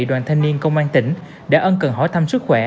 đoàn thanh niên công an tỉnh đã ân cần hỏi thăm sức khỏe